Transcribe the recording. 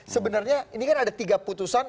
sebenarnya ini kan ada tiga putusan